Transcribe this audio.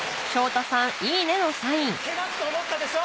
けなすと思ったでしょ？